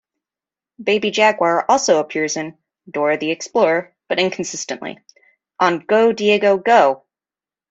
Baby Jaguar also appears in "Dora the Explorer" but inconsistently; on "Go, Diego, Go!